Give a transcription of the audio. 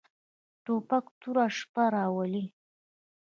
توپک توره شپه راولي.